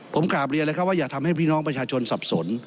ผมกราบเรียนเลยครับว่าอย่าทำให้พี่น้องประชาชนสับสน